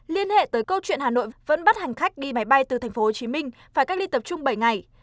liên hệ tới câu chuyện hà nội vẫn bắt hành khách đi máy bay từ tp hcm phải cách ly tập trung bảy ngày